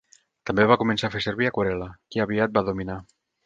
També va començar a fer servir aquarel·la, que aviat va dominar.